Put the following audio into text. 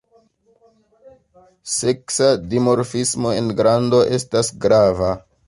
Seksa dimorfismo en grando estas grava.